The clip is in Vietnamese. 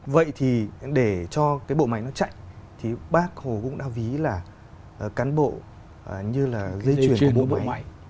vậy thì để cho cái bộ máy nó chạy thì bác hồ cũng đã ví là cán bộ như là dây chuyền của bộ máy